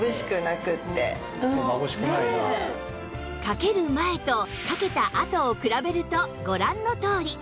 かける前とかけたあとを比べるとご覧のとおり